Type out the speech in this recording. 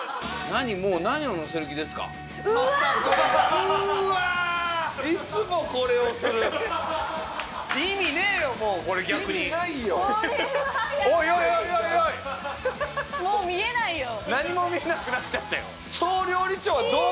何も見えなくなっちゃったよ。